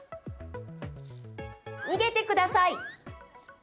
逃げてください！